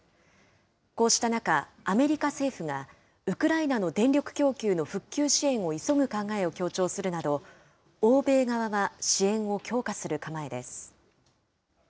こうした中、アメリカ政府がウクライナの電力供給の復旧支援を急ぐ考えを強調するなど、欧米側は支援を強化する構えです。